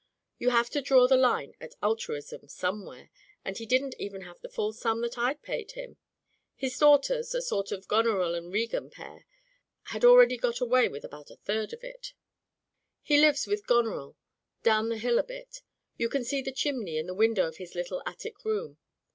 You have to draw the line at altruism somewhere^ and he didn't even have the full sum that I'd paid him. His daughters — a sort of Goneril and Regan pair — ^had already got away with about a third of it. He lives with Goneril, down the hill a bit. You can see the chimney and the window of his little attic room."